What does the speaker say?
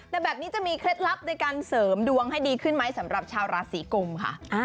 แต่แบบนี้จะมีเคล็ดลับในการเสริมดวงให้ดีขึ้นไหมสำหรับชาวราศีกุมค่ะ